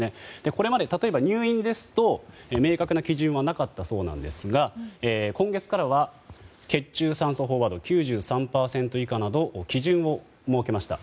これまで例えば入院ですと明確な基準はなかったそうですが今月からは血中酸素飽和度９３％以下など基準を設けました。